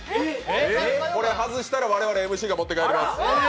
これ外したら我々ＭＣが持って帰ります。